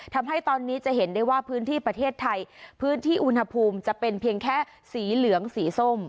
ทำให้ตอนนี้จะเห็นได้ว่าพื้นที่ประเทศไทยพื้นที่อุณหภูมิจะเป็นเพียงแค่สีเหลืองสีส้ม